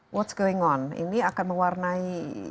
apa yang berlaku ini akan mewarnai